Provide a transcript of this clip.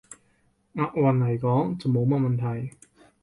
押韻來講，就冇乜問題